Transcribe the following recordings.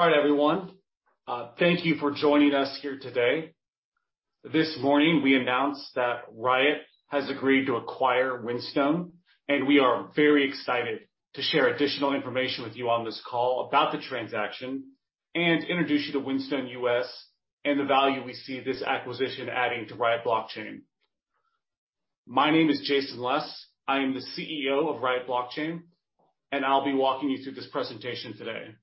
All right, everyone. Thank you for joining us here today. This morning, we announced that Riot has agreed to acquire Whinstone US, and we are very excited to share additional information with you on this call about the transaction and introduce you to Whinstone US, and the value we see this acquisition adding to Riot Platforms. My name is Jason Les. I am the CEO of Riot Platforms, and I'll be walking you through this presentation today.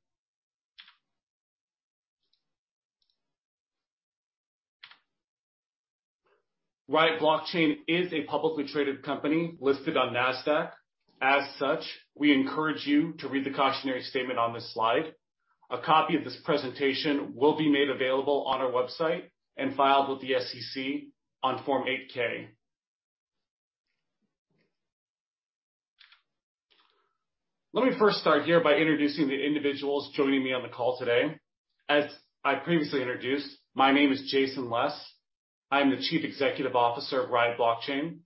Riot Platforms is a publicly traded company listed on NASDAQ. As such, we encourage you to read the cautionary statement on this slide. A copy of this presentation will be made available on our website and filed with the SEC on Form 8-K. Let me first start here by introducing the individuals joining me on the call today. As I previously introduced, my name is Jason Les. I am the Chief Executive Officer of Riot Platforms.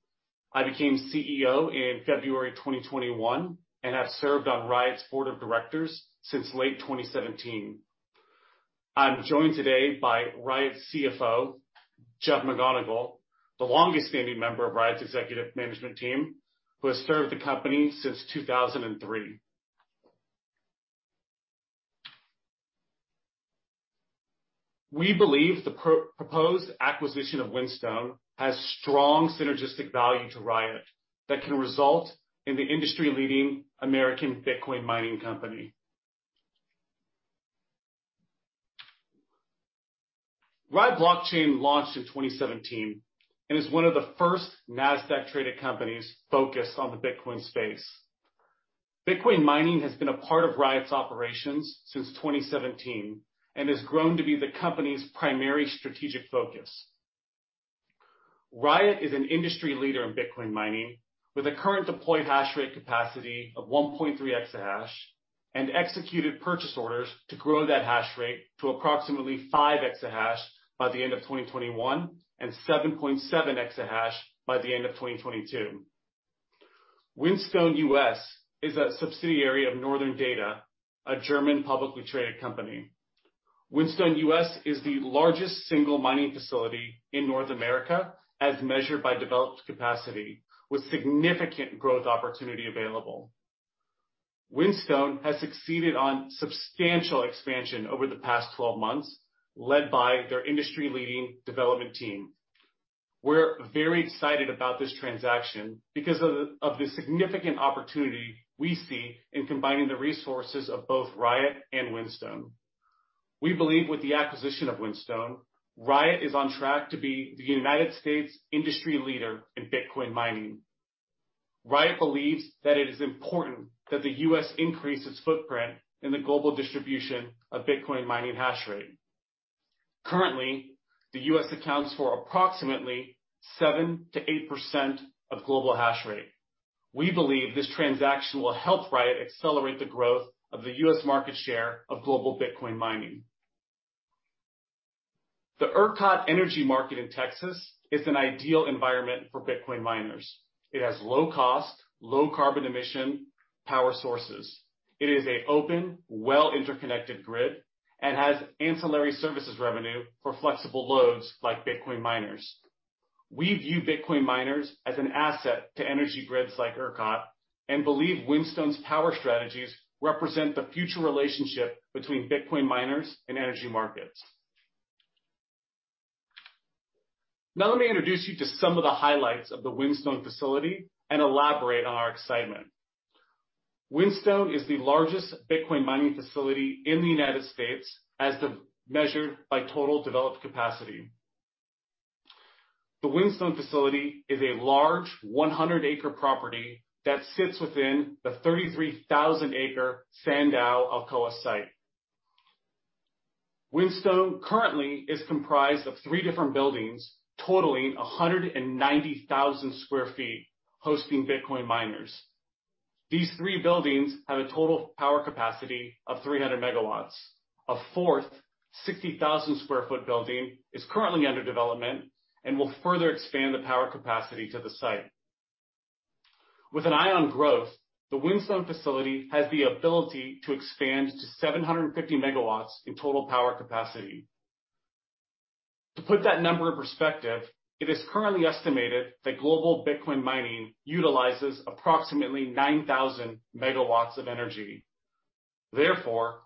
I became CEO in February 2021 and have served on Riot's board of directors since late 2017. I'm joined today by Riot's CFO, Jason Chung, the longest-standing member of Riot's executive management team, who has served the company since 2003. We believe the proposed acquisition of Whinstone US has strong synergistic value to Riot Platforms that can result in the industry-leading American Bitcoin mining company. Riot Platforms launched in 2017 and is one of the first NASDAQ-traded companies focused on the Bitcoin space. Bitcoin mining has been a part of Riot's operations since 2017 and has grown to be the company's primary strategic focus. Riot is an industry leader in Bitcoin mining with a current deployed hash rate capacity of 1.3 exahash and executed purchase orders to grow that hash rate to approximately five exahash by the end of 2021 and 7.7 exahash by the end of 2022. Whinstone US is a subsidiary of Northern Data, a German publicly traded company. Whinstone US is the largest single mining facility in North America as measured by developed capacity, with significant growth opportunity available. Whinstone has succeeded on substantial expansion over the past 12 months, led by their industry-leading development team. We're very excited about this transaction because of the significant opportunity we see in combining the resources of both Riot and Whinstone. We believe with the acquisition of Whinstone, Riot is on track to be the United States industry leader in Bitcoin mining. Riot believes that it is important that the U.S. increase its footprint in the global distribution of Bitcoin mining hash rate. Currently, the U.S. accounts for approximately 7%-8% of global hash rate. We believe this transaction will help Riot accelerate the growth of the U.S. market share of global Bitcoin mining. The ERCOT energy market in Texas is an ideal environment for Bitcoin miners. It has low cost, low carbon emission power sources. It is an open, well-interconnected grid and has ancillary services revenue for flexible loads like Bitcoin miners. We view Bitcoin miners as an asset to energy grids like ERCOT and believe Whinstone's power strategies represent the future relationship between Bitcoin miners and energy markets. Now let me introduce you to some of the highlights of the Whinstone facility and elaborate on our excitement. Whinstone is the largest Bitcoin mining facility in the United States as measured by total developed capacity. The Whinstone facility is a large 100-acre property that sits within the 33,000-acre Sandow Alcoa site. Whinstone currently is comprised of three different buildings totaling 190,000 square feet hosting Bitcoin miners. These three buildings have a total power capacity of 300 MW. A fourth 60,000-square-foot building is currently under development and will further expand the power capacity to the site. With an eye on growth, the Whinstone facility has the ability to expand to 750 MW in total power capacity. To put that number in perspective, it is currently estimated that global Bitcoin mining utilizes approximately 9,000 MW of energy.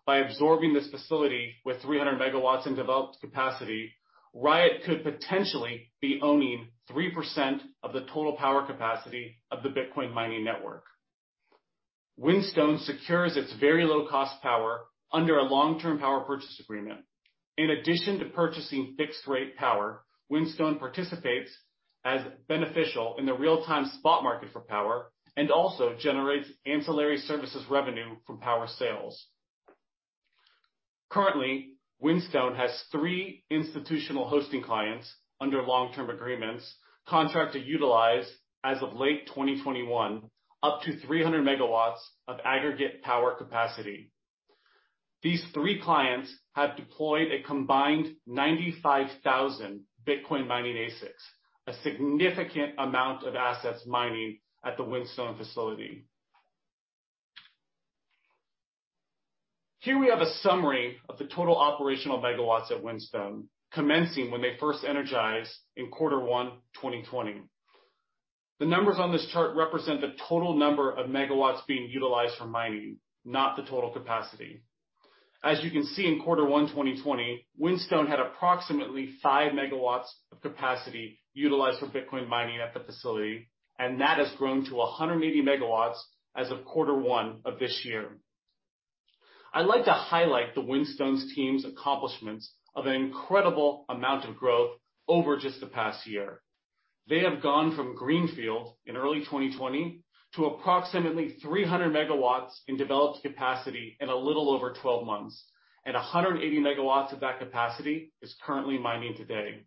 By absorbing this facility with 300 MW in developed capacity, Riot could potentially be owning 3% of the total power capacity of the Bitcoin mining network. Whinstone secures its very low-cost power under a long-term power purchase agreement. In addition to purchasing fixed-rate power, Whinstone participates as beneficial in the real-time spot market for power and also generates ancillary services revenue from power sales. Currently, Whinstone has three institutional hosting clients under long-term agreements, contract to utilize, as of late 2021, up to 300 MW of aggregate power capacity. These three clients have deployed a combined 95,000 Bitcoin mining ASICs, a significant amount of assets mining at the Whinstone facility. Here we have a summary of the total operational megawatts at Whinstone, commencing when they first energized in quarter one 2020. The numbers on this chart represent the total number of megawatts being utilized for mining, not the total capacity. As you can see, in quarter one 2020, Whinstone had approximately 5 MW of capacity utilized for Bitcoin mining at the facility, and that has grown to 180 MW as of quarter one of this year. I'd like to highlight the Whinstone team's accomplishments of an incredible amount of growth over just the past year. They have gone from greenfield in early 2020 to approximately 300 MW in developed capacity in a little over 12 months, and 180 MW of that capacity is currently mining today.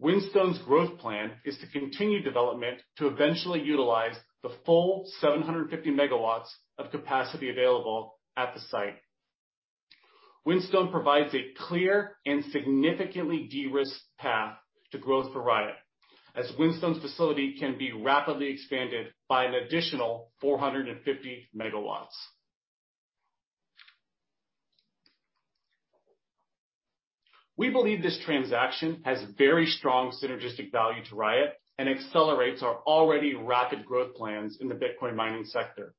Whinstone's growth plan is to continue development to eventually utilize the full 750 MW of capacity available at the site. Whinstone provides a clear and significantly de-risked path to growth for Riot, as Whinstone's facility can be rapidly expanded by an additional 450 MW. We believe this transaction has very strong synergistic value to Riot and accelerates our already rapid growth plans in the Bitcoin mining sector.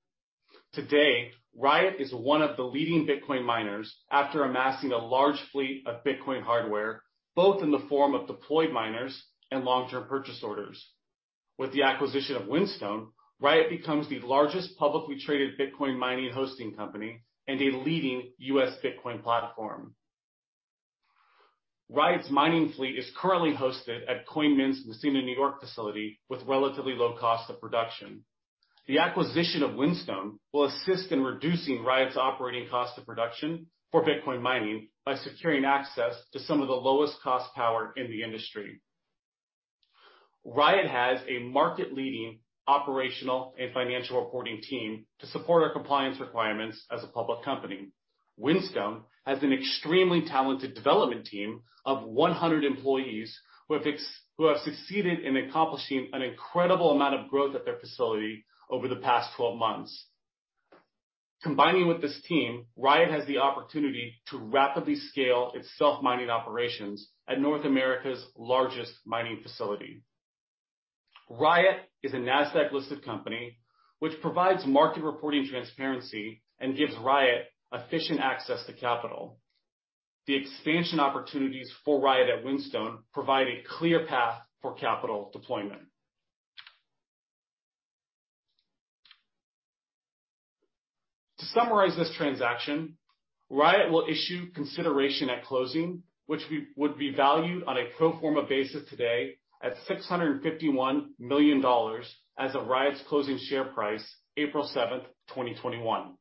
Today, Riot is one of the leading Bitcoin miners after amassing a large fleet of Bitcoin hardware, both in the form of deployed miners and long-term purchase orders. With the acquisition of Whinstone, Riot becomes the largest publicly traded Bitcoin mining hosting company and a leading U.S. Bitcoin platform. Riot's mining fleet is currently hosted at Coinmint's Massena, New York facility with relatively low cost of production. The acquisition of Whinstone will assist in reducing Riot's operating cost of production for Bitcoin mining by securing access to some of the lowest-cost power in the industry. Riot has a market-leading operational and financial reporting team to support our compliance requirements as a public company. Whinstone has an extremely talented development team of 100 employees who have succeeded in accomplishing an incredible amount of growth at their facility over the past 12 months. Combining with this team, Riot has the opportunity to rapidly scale its self-mining operations at North America's largest mining facility. Riot is a NASDAQ-listed company which provides market reporting transparency and gives Riot efficient access to capital. The expansion opportunities for Riot at Whinstone provide a clear path for capital deployment. To summarize this transaction, Riot will issue consideration at closing, which would be valued on a pro forma basis today at $651 million as of Riot's closing share price April 7, 2021.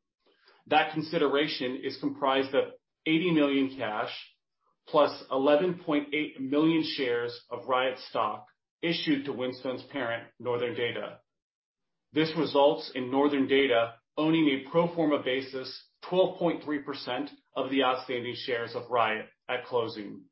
That consideration is comprised of $80 million cash plus 11.8 million shares of Riot stock issued to Whinstone's parent, Northern Data. This results in Northern Data owning a pro forma basis 12.3% of the outstanding shares of Riot at closing.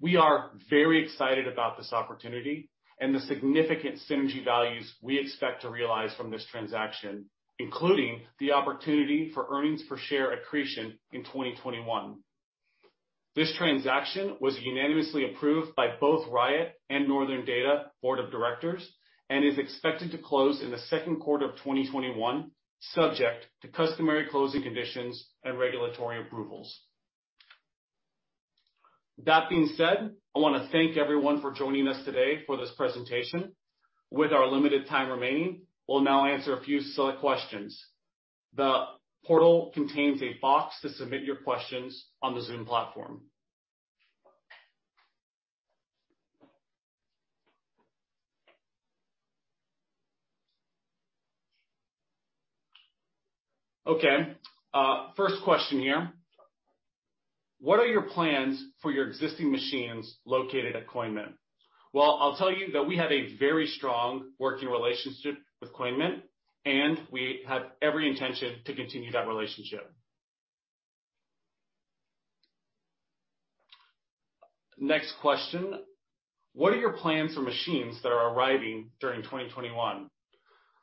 We are very excited about this opportunity and the significant synergy values we expect to realize from this transaction, including the opportunity for earnings per share accretion in 2021. This transaction was unanimously approved by both Riot and Northern Data board of directors and is expected to close in the second quarter of 2021, subject to customary closing conditions and regulatory approvals. That being said, I want to thank everyone for joining us today for this presentation. With our limited time remaining, we'll now answer a few select questions. The portal contains a box to submit your questions on the Zoom platform. Okay. First question here. What are your plans for your existing machines located at Coinmint? Well, I'll tell you that we have a very strong working relationship with Coinmint, and we have every intention to continue that relationship. Next question. What are your plans for machines that are arriving during 2021?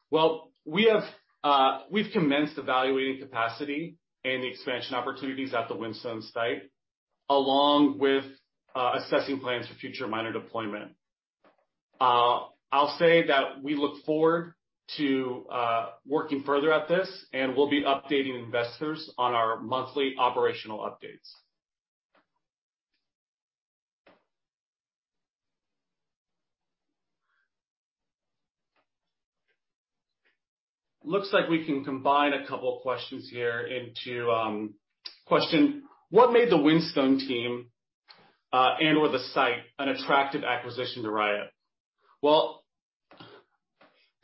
Well, we've commenced evaluating capacity and the expansion opportunities at the Whinstone site, along with assessing plans for future miner deployment. I'll say that we look forward to working further at this, and we'll be updating investors on our monthly operational updates. Looks like we can combine a couple of questions here into one question. What made the Whinstone team and/or the site an attractive acquisition to Riot?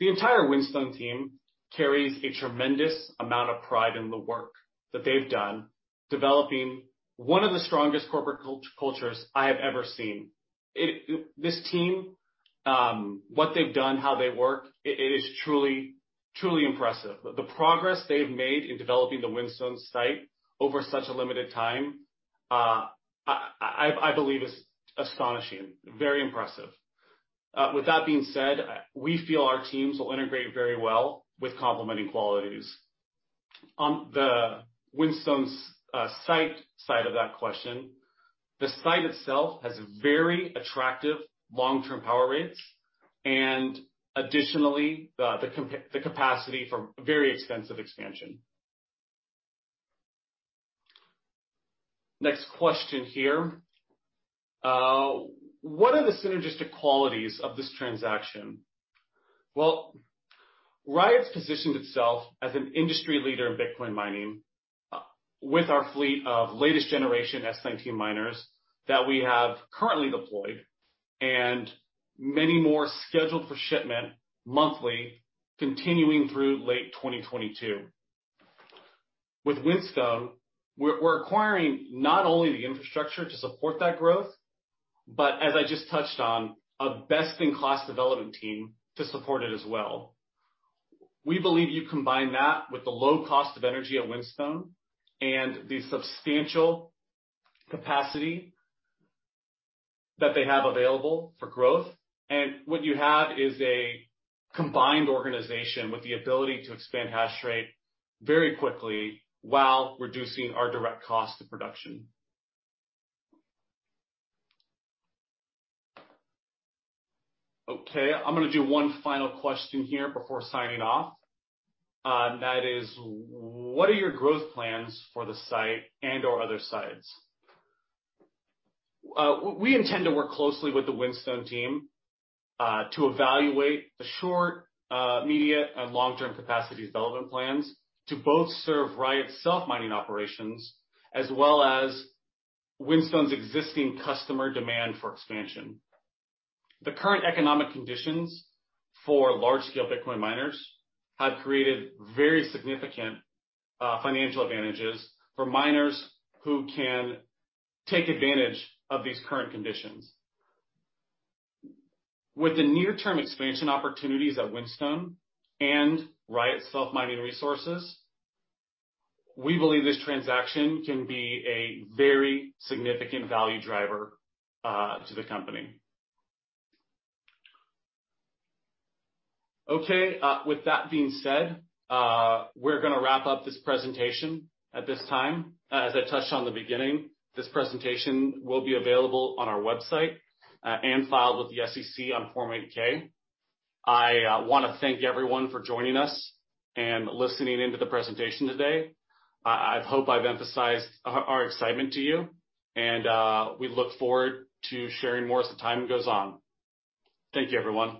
Well, the entire Whinstone team carries a tremendous amount of pride in the work that they've done developing one of the strongest corporate cultures I have ever seen. This team, what they've done, how they work, it is truly impressive. The progress they have made in developing the Whinstone site over such a limited time I believe is astonishing. Very impressive. With that being said, we feel our teams will integrate very well with complementing qualities. On the Whinstone's site side of that question, the site itself has very attractive long-term power rates and additionally, the capacity for very extensive expansion. Next question here. What are the synergistic qualities of this transaction? Well, Riot's positioned itself as an industry leader in Bitcoin mining with our fleet of latest generation S19 miners that we have currently deployed and many more scheduled for shipment monthly continuing through late 2022. With Whinstone, we're acquiring not only the infrastructure to support that growth, but as I just touched on, a best-in-class development team to support it as well. We believe you combine that with the low cost of energy at Whinstone and the substantial capacity that they have available for growth, what you have is a combined organization with the ability to expand hash rate very quickly while reducing our direct cost of production. Okay, I'm going to do one final question here before signing off. That is, what are your growth plans for the site and/or other sites? We intend to work closely with the Whinstone team, to evaluate the short, immediate, and long-term capacity development plans to both serve Riot's self-mining operations as well as Whinstone's existing customer demand for expansion. The current economic conditions for large-scale Bitcoin miners have created very significant financial advantages for miners who can take advantage of these current conditions. With the near-term expansion opportunities at Whinstone and Riot self-mining resources, we believe this transaction can be a very significant value driver to the company. Okay. With that being said, we're going to wrap up this presentation at this time. As I touched on the beginning, this presentation will be available on our website and filed with the SEC on Form 8-K. I want to thank everyone for joining us and listening in to the presentation today. I hope I've emphasized our excitement to you, and we look forward to sharing more as the time goes on. Thank you, everyone.